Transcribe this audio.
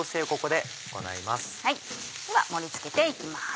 では盛り付けて行きます。